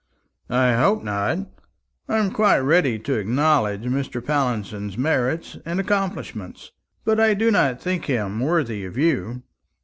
"I hope not. I am quite ready to acknowledge Mr. Pallinson's merits and accomplishments, but I do not think him worthy of you."